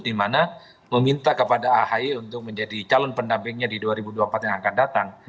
dimana meminta kepada ahy untuk menjadi calon pendampingnya di dua ribu dua puluh empat yang akan datang